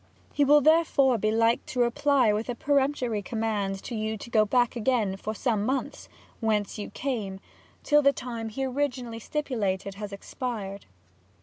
He will therefore be like to reply with a peremptory Command to you to go back again, for some Months, whence you came, till the Time he originally stipulated has expir'd.